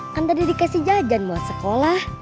kan tadi dikasih jajan buat sekolah